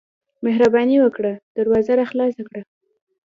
مهرباني وکړه دروازه راخلاصه کړه.